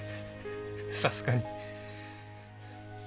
さすがに。